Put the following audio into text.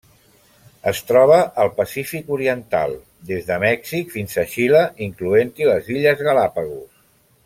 Es troba al Pacífic oriental: des de Mèxic fins a Xile, incloent-hi les illes Galápagos.